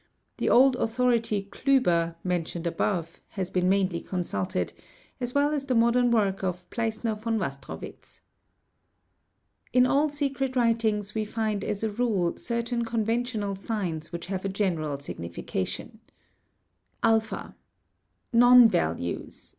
The old authority Kliiber, mentioned above, has been mainly consulted, as well "as the modern work of Pleissner von Wastrowitz. In all secret writings we find as a rule certain conventional signs which have a general signification : (2) Non values, t.